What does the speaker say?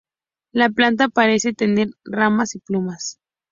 La planta parece tener ramas y plumas.